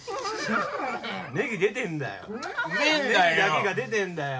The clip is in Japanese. ネギだけが出てんだよ。